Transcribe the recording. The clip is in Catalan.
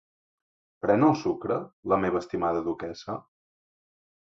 Pren el sucre, la meva estimada duquessa?